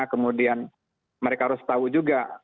kemudian mereka harus tahu juga